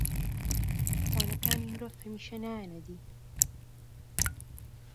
خەونەکانی مرۆڤ هەمیشە نایەنە دی.